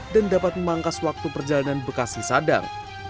dan dapat memangkas waktu perjalanan bekasi sadang